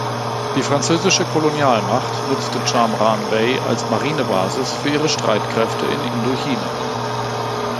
Die französische Kolonialmacht nutzte Cam Ranh Bay als Marinebasis für ihre Streitkräfte in Indochina.